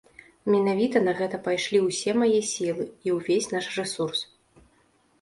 Менавіта на гэта пайшлі ўсе мае сілы і ўвесь наш рэсурс.